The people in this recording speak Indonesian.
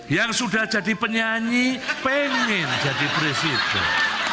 yang sudah jadi penyanyi pengen jadi presiden